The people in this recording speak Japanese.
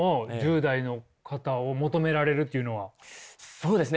そうですね。